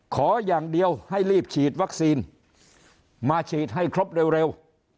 ขออย่างเดียวให้รีบฉีดวัคซีนมาฉีดให้ครบเร็ว